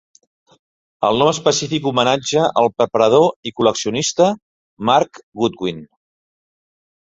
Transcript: El nom específic homenatja el preparador i col·leccionista Mark Goodwin.